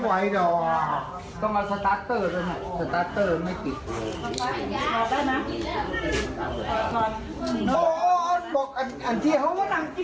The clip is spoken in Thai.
โค้งอีกแล้วนะไอ้